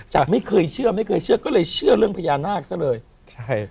ไม่เคยเชื่อไม่เคยเชื่อก็เลยเชื่อเรื่องพญานาคซะเลยใช่